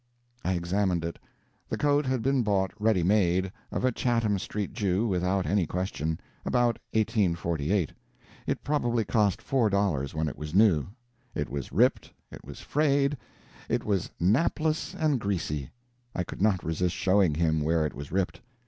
I examined it. The coat had been bought ready made, of a Chatham Street Jew, without any question about 1848. It probably cost four dollars when it was new. It was ripped, it was frayed, it was napless and greasy. I could not resist showing him where it was ripped.